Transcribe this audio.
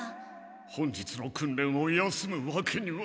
本日の訓練を休むわけには。